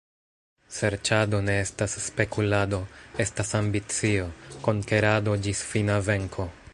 Serĉado ne estas spekulado, estas ambicio, konkerado ĝis fina venko.